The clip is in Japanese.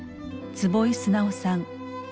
坪井直さん。